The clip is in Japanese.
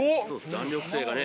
弾力性がね。